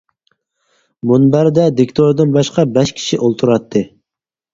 مۇنبەردە دىكتوردىن باشقا بەش كىشى ئولتۇراتتى.